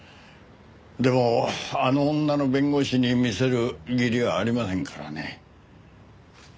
でもあの女の弁護士に見せる義理はありませんからね。